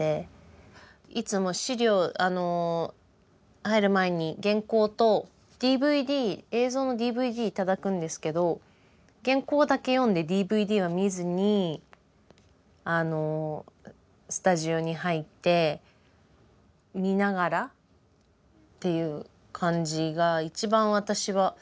いつも資料入る前に原稿とＤＶＤ映像のＤＶＤ頂くんですけど原稿だけ読んでＤＶＤは見ずにスタジオに入って見ながらっていう感じが一番私はしっくりくるというか。